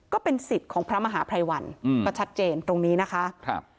ก็เป็นสิทธิ์ของพระมหาไพรวันก็ชัดเจนตรงนี้นะคะ